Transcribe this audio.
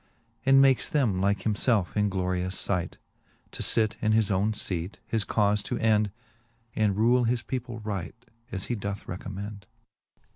And makes them like himfelfe in glorious iight. To fit in his owne feate, his caufe to end, And rule his people right, as he doth recommend.